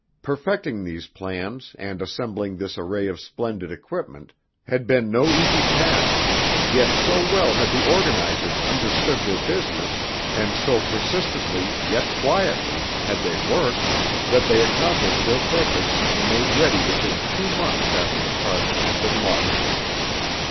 Perfecting these plans and assembling this array of splendid equipment had been no easy task, yet so well had the organizers understood their business, and so persistently, yet quietly, had they worked, that they accomplished their purpose and made ready within two months after the project had been launched.